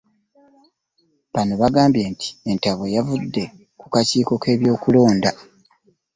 Bano bagambye nti entabwe yavudde ku kakiiko k'ebyokulonda